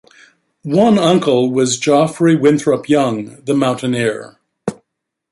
One uncle was Geoffrey Winthrop Young, the mountaineer.